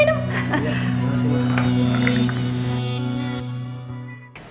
iya makasih mak